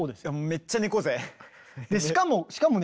めっちゃ猫背。